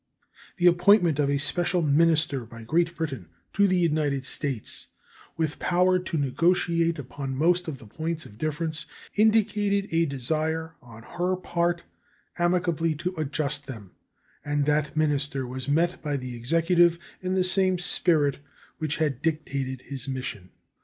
The appointment of a special minister by Great Britain to the United States with power to negotiate upon most of the points of difference indicated a desire on her part amicably to adjust them, and that minister was met by the Executive in the same spirit which had dictated his mission.